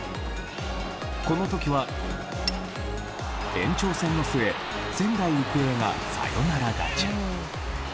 この時は、延長戦の末仙台育英がサヨナラ勝ち。